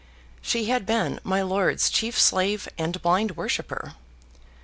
She had been my lord's chief slave and blind worshipper.